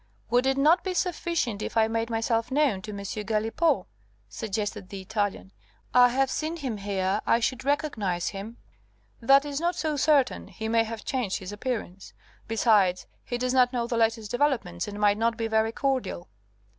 "Would it not be sufficient if I made myself known to M. Galipaud?" suggested the Italian. "I have seen him here, I should recognize him " "That is not so certain; he may have changed his appearance. Besides, he does not know the latest developments, and might not be very cordial."